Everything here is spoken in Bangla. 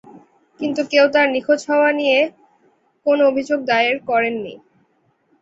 কিন্তু কেউ তার নিখোঁজ হওয়া নিয়ে কোন অভিযোগ দায়ের করেন নি।